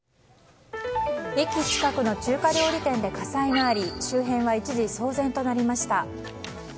駅近くの中華料理店で火災があり周辺は一時騒然となりました。